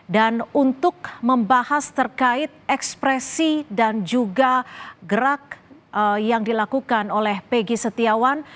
dan untuk membahas terkait ekspresi dan juga gerak yang dilakukan oleh peggy setiawan